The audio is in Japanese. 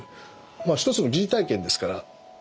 まあ一つの疑似体験ですから。